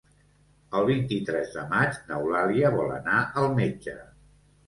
El vint-i-tres de maig n'Eulàlia vol anar al metge.